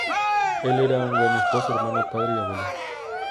Él era un gran esposo, hermano, padre y abuelo.